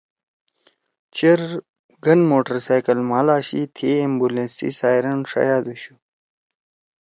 چیر گن موٹرسائکل مھال آشی تھیئے ایمولینس سی سائرن ݜیادوشُو۔